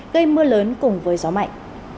gây mưa lớn cùng với gió mạnh